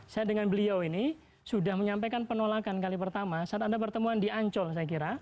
saya dengan beliau ini sudah menyampaikan penolakan kali pertama saat anda pertemuan di ancol saya kira